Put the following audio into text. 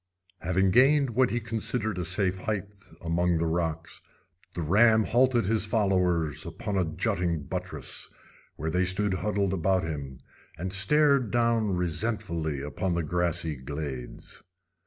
Having gained what he considered a safe height among the rocks, the ram halted his followers upon a jutting buttress, where they stood huddled about him, and stared down resentfully upon the grassy glades.